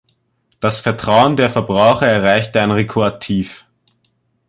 Das Vertrauen der Verbraucher erreichte ein Rekordtief.